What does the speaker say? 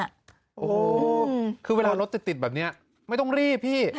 โอ้โหคือเวลารถติดแบบนี้ไม่ต้องรีบพี่